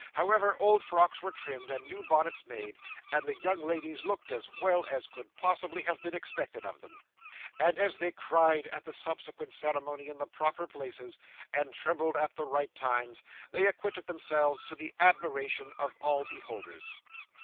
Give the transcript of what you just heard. However, old frocks were trimmed, and new bonnets made, and the young ladies looked as well as could possibly have been expected of them. And as they cried at the subsequent ceremony in the proper places, and trembled at the right times, they acquitted themselves to the admiration of all beholders.